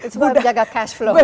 sebagai jaga cash flow